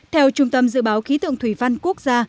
theo trung tâm dự báo khí tượng thủy văn quốc gia